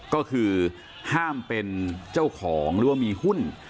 ก็คือห้ามเป็นเจ้าของหรือว่ามีหุ้น